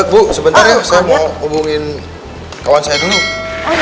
bu sebentar ya saya mau hubungin kawan saya dulu